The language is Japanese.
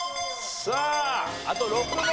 さああと６問。